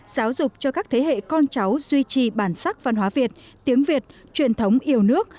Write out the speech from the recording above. giáo dục cho các thế hệ con cháu duy trì bản sắc văn hóa việt tiếng việt truyền thống yêu nước